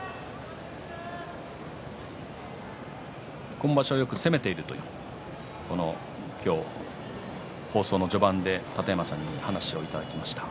今場所は、よく攻めているという放送の序盤で楯山さんにお話をいただきました。